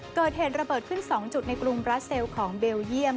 เกิดเหตุระเบิดขึ้น๒จุดในกรุงบราเซลของเบลเยี่ยม